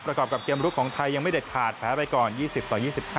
ประกอบกับเกี่ยวบุ๊คของไทยให้ยังไม่เด็ดขาดแพ้ไปก่อน๒๐ต่อ๒๕